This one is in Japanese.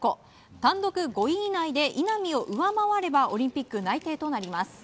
単独５位以内で稲見を上回ればオリンピック内定となります。